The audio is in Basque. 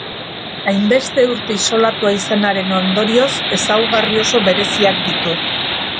Hainbeste urte isolatua izanaren ondorioz ezaugarri oso bereziak ditu.